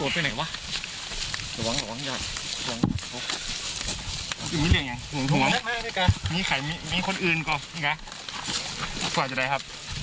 สวัสดีค่ะ